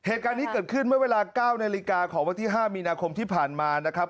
เหตุการณ์นี้เกิดขึ้นเมื่อเวลา๙นาฬิกาของวันที่๕มีนาคมที่ผ่านมานะครับ